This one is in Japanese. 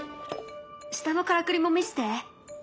下のからくりも見せて。